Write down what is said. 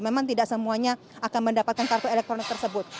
memang tidak semuanya akan mendapatkan kartu elektronik tersebut